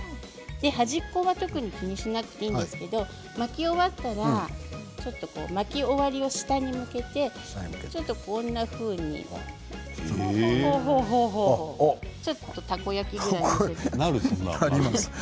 端は特に気にしなくていいんですが巻き終わったら巻き終わりを下に向けてこんなふうにちょっとたこ焼きぐらいに。